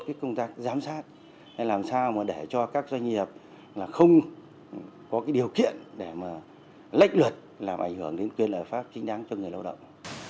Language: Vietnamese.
chúng ta giám sát làm sao để cho các doanh nghiệp không có điều kiện để lệch luật làm ảnh hưởng đến quyền lợi pháp chính đáng cho người lao động